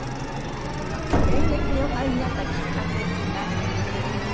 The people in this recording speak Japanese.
演劇にお入りになったきっかけってなんかありましたか？